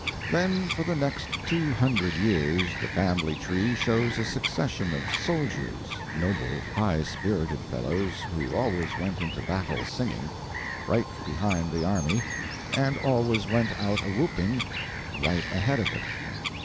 Then for the next two hundred years the family tree shows a succession of soldiers noble, high spirited fellows, who always went into battle singing; right behind the army, and always went out a whooping, right ahead of it.